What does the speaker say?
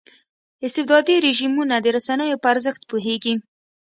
استبدادي رژیمونه د رسنیو په ارزښت پوهېږي.